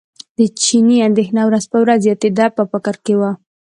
د چیني اندېښنه ورځ په ورځ زیاتېده په فکر کې و.